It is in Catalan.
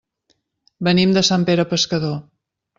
Venim de Sant Pere Pescador.